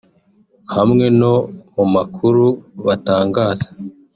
hamwe no mu makuru batangaza